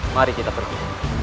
mari kita pergi